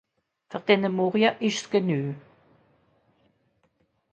Fer denne Morje wär's genue.